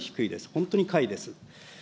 本当に下位です。